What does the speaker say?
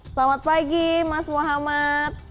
selamat pagi mas muhammad